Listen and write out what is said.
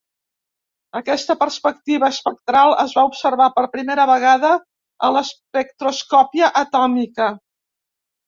Aquesta perspectiva espectral es va observar per primera vegada a l'espectroscòpia atòmica.